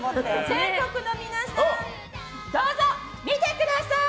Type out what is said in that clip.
全国の皆さんどうぞ見てください！